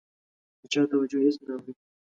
د چا توجه هېڅ نه اوړي.